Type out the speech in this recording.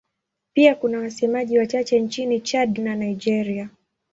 Pia kuna wasemaji wachache nchini Chad na Nigeria.